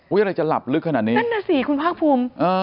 อะไรจะหลับลึกขนาดนี้นั่นน่ะสิคุณภาคภูมิ